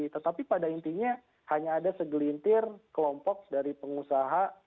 tetapi pada intinya hanya ada segelintir kelompok dari pengusaha